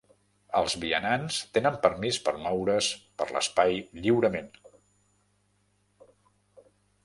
Els vianants tenen permís per moure's per l'espai lliurement.